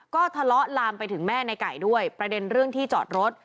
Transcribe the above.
ก็ทะเลาะลามไปถึงแม่ในไก่ด้วยประเด็นเรื่องที่จอดรถ